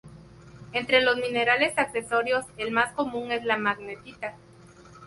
Entre los minerales accesorios el más común es la magnetita.